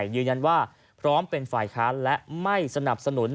โดยพ